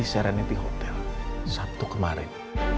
serenity hotel sabtu kemarin